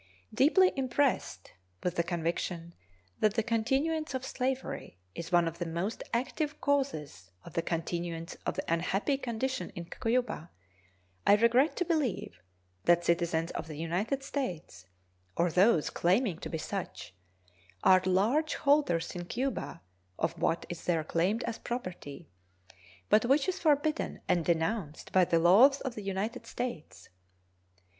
Deeply impressed with the conviction that the continuance of slavery is one of the most active causes of the continuance of the unhappy condition in Cuba, I regret to believe that citizens of the United States, or those claiming to be such, are large holders in Cuba of what is there claimed as property, but which is forbidden and denounced by the laws of the United States.